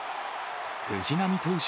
藤浪投手